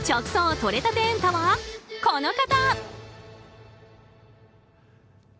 とれたてエンタは、この方。